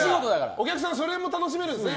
お客さんはそれも楽しめるんですね。